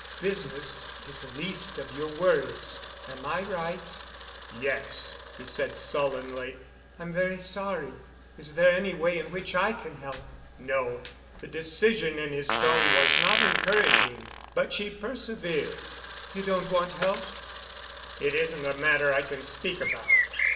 Business is the least of your worries. Am I right?" "Yes," he said sullenly. "I'm very sorry. Is there any way in which I can help?" "No." The decision in his tone was not encouraging, but she persevered. "You don't want help?" "It isn't a matter I can speak about."